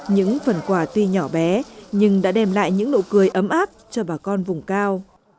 những phần quà tuy nhỏ bé nhưng đã đem lại những nụ cười ấm áp cho bà con vùng cao